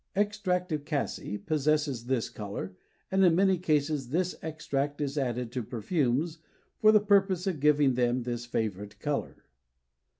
Extract of cassie possesses this color, and in many cases this extract is added to perfumes for the purpose of giving them this favorite color.